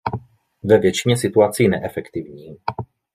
Ve většině situací neefektivní.